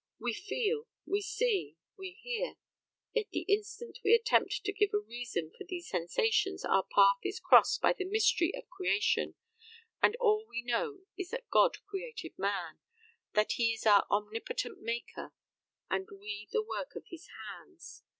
We feel, we see, we hear; yet the instant we attempt to give a reason for these sensations our path is crossed by the mystery of creation, and all we know is that God created man that he is our Omnipotent Maker and we the work of His hands.